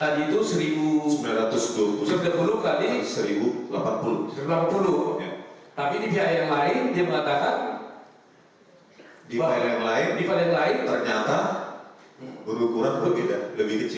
berukuran berbeda lebih kecil